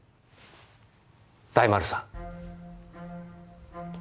大丸さん。